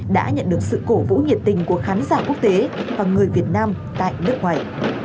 đã nhận được sự cổ vũ nhiệt tình của khán giả quốc tế và người việt nam tại nước ngoài